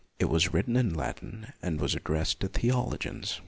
It was written in Latin, and was addressed to theologians.